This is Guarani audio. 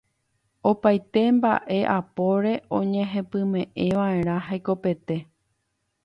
Opaite mba'e apóre oñehepyme'ẽva'erã hekopete.